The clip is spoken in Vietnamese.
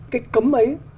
cái cấm ấy